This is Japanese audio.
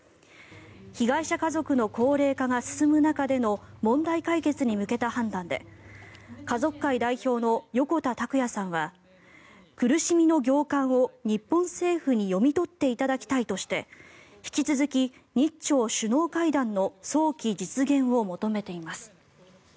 被害者家族の高齢化が進む中での問題解決に向けた判断で家族会代表の横田拓也さんは苦しみの行間を日本政府に読み取っていただきたいとして引き続き、日朝首脳会談の早期実現を求めています。